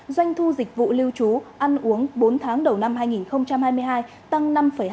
doanh thu dịch vụ lưu trú ăn uống bốn tháng đầu năm hai nghìn hai mươi hai tăng năm hai mươi